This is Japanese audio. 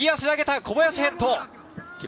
小林、ヘッド！